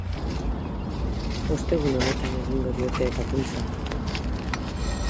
Ostegun honetan egingo diote ebakuntza.